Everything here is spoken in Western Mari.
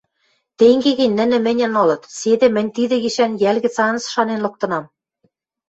— Тенге гӹнь, нӹнӹ мӹньӹн ылыт, седӹ, мӹнь тидӹ гишӓн йӓл гӹц анзыц шанен лыктынам.